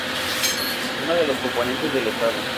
Uno de los componentes del Estado.